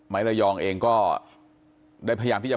ระยองเองก็ได้พยายามที่จะ